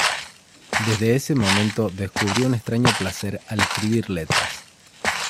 Desde ese momento descubrió un extraño placer al escribir letras.